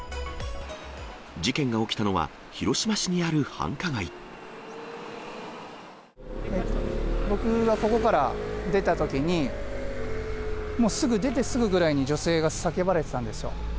事件が起きたのは、僕がここから出たときに、もうすぐ出てすぐぐらいに、女性が叫ばれてたんですよ。